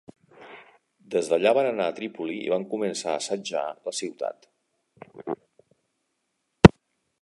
Des d'allà van anar a Trípoli i van començar a assetjar la ciutat.